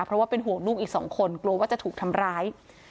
เพราะว่าเป็นห่วงลูกอีกสองคนกลัวว่าจะถูกทำร้าย